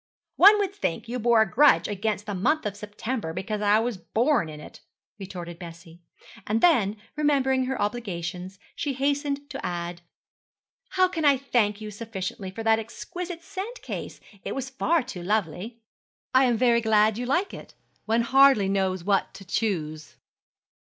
'One would think you bore a grudge against the month of September because I was born in it,' retorted Bessie. And then, remembering her obligations, she hastened to add, 'How can I thank you sufficiently for that exquisite scent case? It is far too lovely.' 'I am very glad you like it. One hardly knows what to choose.'